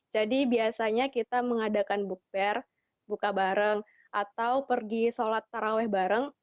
jadi biasanya kita mengadakan bukber buka bareng atau pergi sholat taraweh bareng